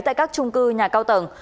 tại các trung cư nhà cao tầng